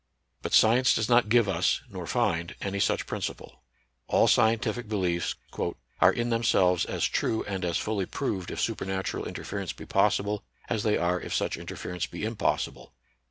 But science does not give us nor find any such principle. All scientific beliefs " are in themselves as true and as fully proved if supernatural interference be possible as they are if such interference be impossible.